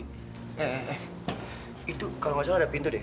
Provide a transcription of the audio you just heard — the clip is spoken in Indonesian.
eh itu kalau nggak salah ada pintu deh